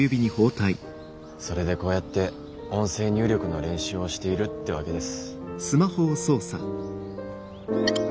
それでこうやって音声入力の練習をしているってわけです。